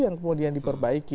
yang kemudian diperbaiki